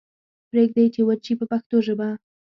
پریږدئ چې وچ شي په پښتو ژبه.